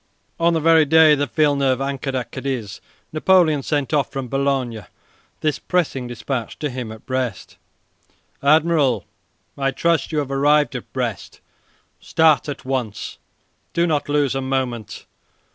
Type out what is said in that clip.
On the very day that Villeneuve anchored at Cadiz, Napoleon sent off from Boulogne this pressing dispatch to him at Brest: "Admiral, I trust you have arrived at Brest. Start at once. Do not lose a moment.